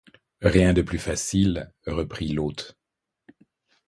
Rien de plus facile, reprit l'hôte.